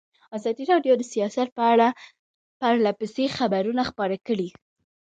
ازادي راډیو د سیاست په اړه پرله پسې خبرونه خپاره کړي.